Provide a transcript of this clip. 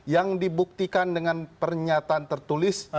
yang dibuktikan dengan pernyataan tertulis